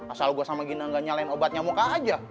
asal gue sama gina gak nyalain obat nyamuk aja